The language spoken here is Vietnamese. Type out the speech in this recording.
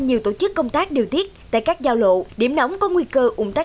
nhiều tổ chức công tác điều tiết tại các giao lộ điểm nóng có nguy cơ ủng tắc